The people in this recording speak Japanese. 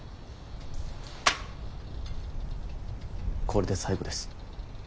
これで最後です。